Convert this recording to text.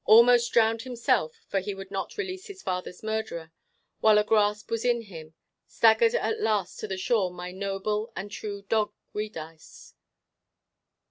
Almost drowned himself for he would not release his father's murderer, while a gasp was in him staggered at last to the shore my noble and true dog Giudice.